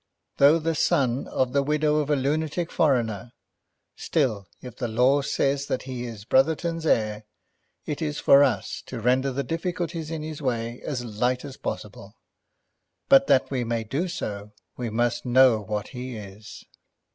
Though the son of the widow of a lunatic foreigner, still if the law says that he is Brotherton's heir, it is for us to render the difficulties in his way as light as possible. But that we may do so, we must know what he is.